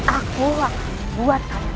aku akan membuat kalian